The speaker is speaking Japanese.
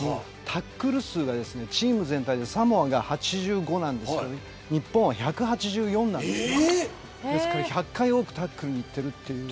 タックル数はチーム全体でサモアが８５ですが日本は１８４なんです１００回多くタックルにいっている。